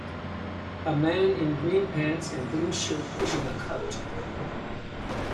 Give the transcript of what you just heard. A man in green pants and blue shirt pushing a cart